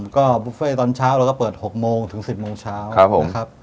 ก็บุฟเฟ่ตอนเช้าเราก็เปิด๖โมงถึง๑๐โมงเช้านะครับ